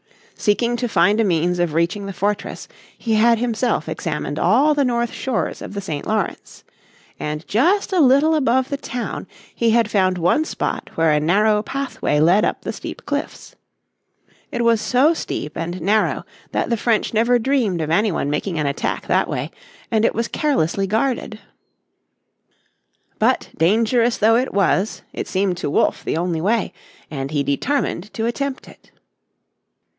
Seeking to find a means of reaching the fortress he had himself examined all the north shores of the St. Lawrence. And just a little above the town he had found one spot where a narrow pathway led up the steep cliffs. It was so steep and narrow that the French never dreamed of any one making an attack that way, and it was carelessly guarded. But dangerous though it was it seemed to Wolfe the only way, and he determined to attempt it.